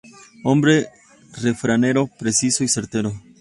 Hombre refranero, preciso y certero